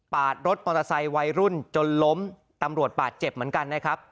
รถมอเตอร์ไซค์วัยรุ่นจนล้มตำรวจบาดเจ็บเหมือนกันนะครับ